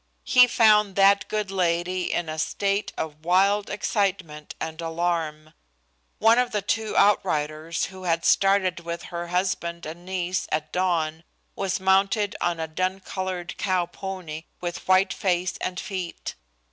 He found that good lady in a state of wild excitement and alarm. One of the two outriders who had started with her husband and niece at dawn, was mounted on a dun colored cow pony, with white face and feet.